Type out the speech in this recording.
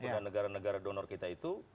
kemudian negara negara donor kita itu